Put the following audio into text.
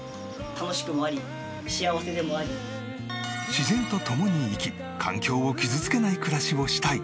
自然と共に生き環境を傷つけない暮らしをしたい。